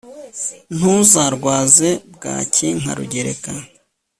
ntuzarwaze bwaki nka rugereka